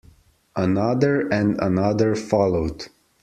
Another and another followed.